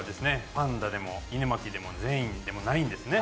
パンダでも狗巻でも禪院でもないんですね。